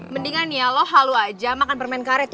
mendingan ya lo halo aja makan permen karet